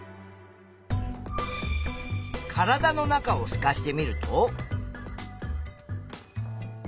体の中をすかしてみると？